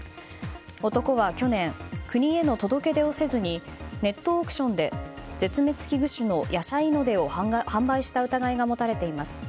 男は去年、国への届け出をせずにネットオークションで絶滅危惧種のヤシャイノデを販売した疑いが持たれています。